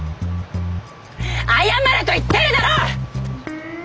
謝れと言ってるだろ！